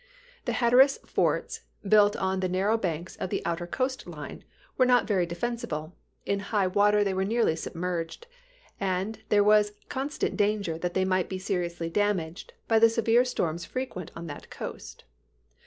The Hatteras forts, built on the narrow banks of the outer coast line, were not very defen sible ; in high water they were nearly submerged, and there was constant danger that they might be seriously damaged by the severe storms frequent on that coast.